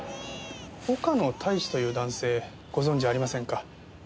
岡野太一という男性ご存じありませんか？